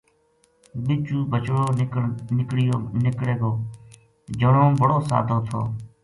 بِچو بچڑو نکڑے گو ". جنو بڑو سادو تھو